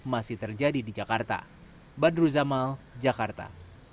masih terjadi di jakarta badruz jamal jakarta